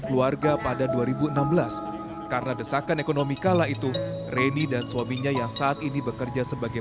keluarga pada dua ribu enam belas karena desakan ekonomi kala itu reni dan suaminya yang saat ini bekerja sebagai